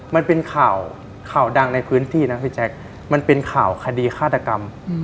มันเป็นข่าวข่าวดังในพื้นที่นะพี่แจ๊คมันเป็นข่าวคดีฆาตกรรม